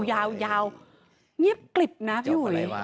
ยาวเงียบกลิบนะพี่อุ๋ย